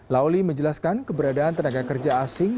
lauli menjelaskan keberadaan tenaga kerja asing